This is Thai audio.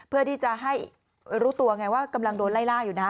เพื่อที่จะให้รู้ตัวไงว่ากำลังโดนไล่ล่าอยู่นะ